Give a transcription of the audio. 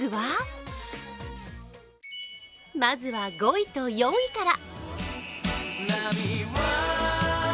まずは５位と４位から。